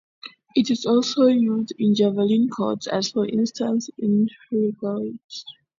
It is also used in juvenile courts, as, for instance, "In re Gault".